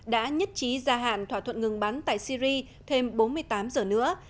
đã nhất trí gia hạn thỏa thuận ngừng bắn tại syri thêm bốn mươi tám giờ nữa